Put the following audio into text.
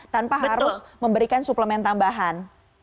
tanpa harus memberikan suplemen tambahan